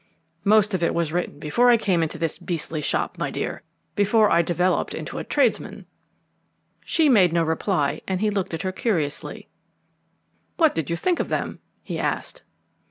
"Most of it was written before I came into this beastly shop, my dear before I developed into a tradesman!" She made no reply, and he looked at her curiously. "What did you think of them?" he asked.